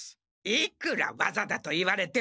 いくらわざだと言われても。